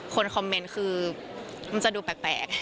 คนคอมเมนต์คือมันจะดูแปลก